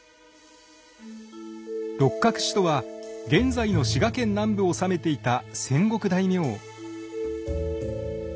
六角氏とは現在の滋賀県南部を治めていた戦国大名。